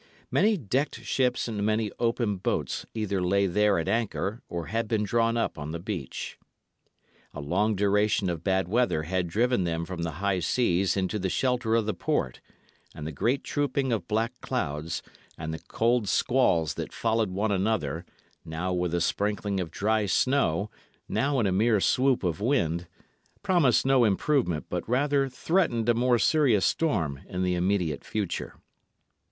Many decked ships and many open boats either lay there at anchor, or had been drawn up on the beach. A long duration of bad weather had driven them from the high seas into the shelter of the port; and the great trooping of black clouds, and the cold squalls that followed one another, now with a sprinkling of dry snow, now in a mere swoop of wind, promised no improvement but rather threatened a more serious storm in the immediate future.